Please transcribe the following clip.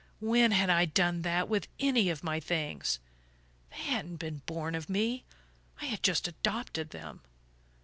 When had I done that with any of my things? They hadn't been born of me I had just adopted them....